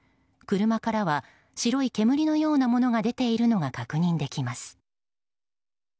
車からは白い煙のようなものが出ているのが確認できます。